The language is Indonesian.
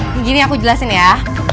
begini aku jelasin ya